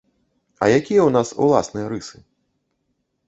А якія ў нас уласныя рысы?